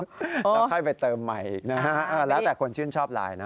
แล้วใครไปเติมใหม่แล้วแต่คนชื่นชอบลายนะ